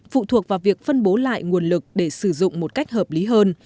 phụ thuộc vào việc phân bố lại nguồn lực để sử dụng một cách hợp lý hơn